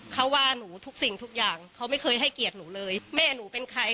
เขาว่าหนูทุกสิ่งทุกอย่างเขาไม่เคยให้เกียรติหนูเลยแม่หนูเป็นใคร